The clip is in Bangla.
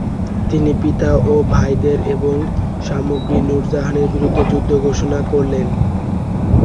তিনি পিতা ও ভাইদের এবং সম্রাজী নূরজাহানের বিরুদ্ধে যুদ্ধ ঘোষণা করলেন।